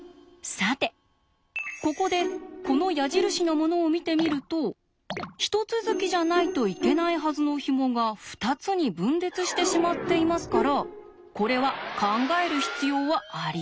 さてここでこの矢印のものを見てみると一続きじゃないといけないはずのひもが２つに分裂してしまっていますからこれは考える必要はありません。